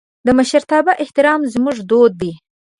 د مشرتابه احترام زموږ دود دی.